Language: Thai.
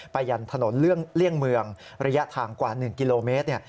ยันถนนเลี่ยงเมืองระยะทางกว่า๑กิโลเมตร